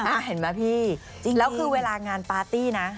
เห็นไหมพี่จริงแล้วคือเวลางานปาร์ตี้นะ